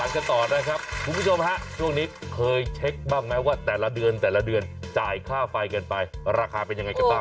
คุณผู้ชมครับช่วงนี้เคยเช็กบ้างไหมว่าแต่ละเดือนจ่ายค่าไฟเกินไปราคาเป็นยังไงกับบ้าง